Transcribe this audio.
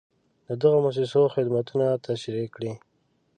د دغو مؤسسو خدمتونه تشریح کړئ.